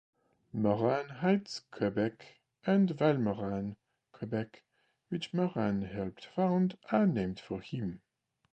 Morin-Heights, Quebec and Val-Morin, Quebec, which Morin help found, are named for him.